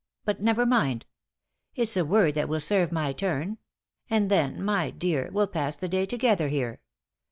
But never mind! It's a word that will serve my turn. And then, my dear, we'll pass the day together here.